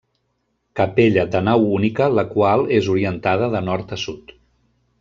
Capella de nau única la qual és orientada de nord a sud.